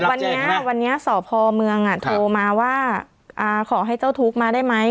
วันนี้วันนี้สพเมืองโทรมาว่าขอให้เจ้าทุกข์มาได้ไหม